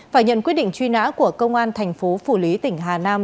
phải nhận quyết định truy nã của công an thành phố phủ lý tỉnh hà nam